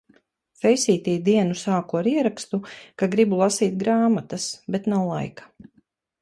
Feisītī dienu sāku ar ierakstu, ka gribu lasīt grāmatas, bet nav laika.